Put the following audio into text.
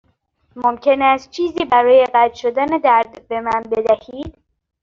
ممکن است چیزی برای قطع شدن درد به من بدهید؟